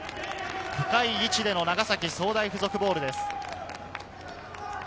高い位置での長崎総大附属ボールです。